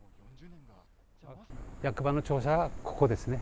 役場の庁舎がここですね。